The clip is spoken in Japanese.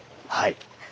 はい。